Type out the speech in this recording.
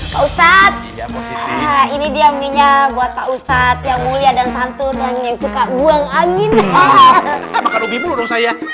musat ini dia minyak buat pak ustadz yang mulia dan santun yang suka buang angin makan obyek